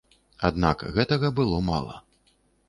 Аднак гэтага было мала.